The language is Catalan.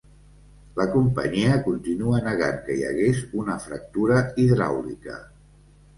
La companyia continua negant que hi hagués una fractura hidràulica.